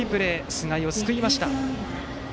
菅井を救いました。